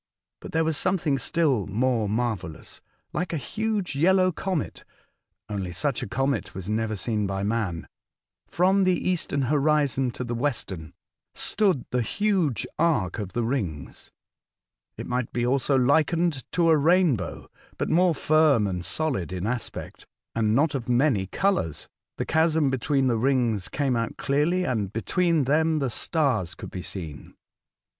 But there was something still more marvellous. Like a huge yellow comet (only such a comet was never seen by man), from the eastern horizon to the western, stood the huge arc of the rino^s. It might be also likened to a rainbow, but more firm and solid in aspect, and not of many colours. The chasm between the rings came out clearly, and between them the stars could be seen.